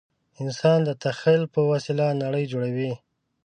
انسان د تخیل په وسیله نړۍ جوړوي.